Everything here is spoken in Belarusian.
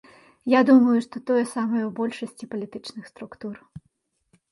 Я думаю, што тое самае ў большасці палітычных структур.